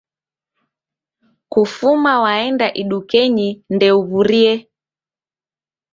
Kufuma waenda idukenyi ndeuw'urie.